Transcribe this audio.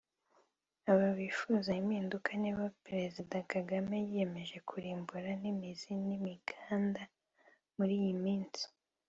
Aba bifuza impinduka nibo Perezida Kagame yiyemeje kurimburana n’imizi n’imiganda muri iyi minsi